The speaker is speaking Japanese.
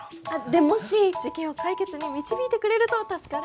でもし事件を解決に導いてくれると助かるんですけど。